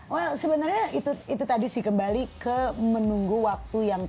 wah sebenarnya itu tadi sih kembali ke menunggu waktu yang